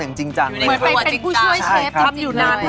มันจะขอร้านมันจะเป็นเชฟอย่างนี้